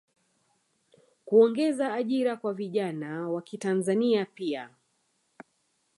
kuongeza ajira kwa vijana wakitanzania pia